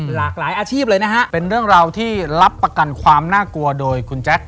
หลากหลายอาชีพเลยนะฮะเป็นเรื่องราวที่รับประกันความน่ากลัวโดยคุณแจ๊ค